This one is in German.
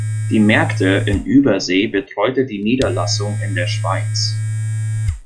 Die Märkte in Übersee betreute die Niederlassung in der Schweiz.